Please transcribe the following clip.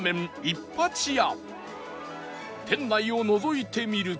店内をのぞいてみると